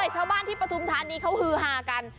เช้าบ้านที่ปฐุมธานนี้เค้าฮือหากัน